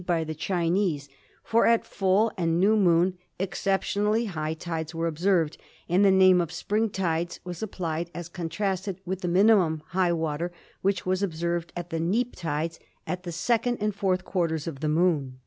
by the Chinese, for at full and new moon exceptionally high tides were observed, and the name of spring tides was applied as contrasted with the minimum high water which was observed at the neap tides at the second and fourth quarters of the Moon.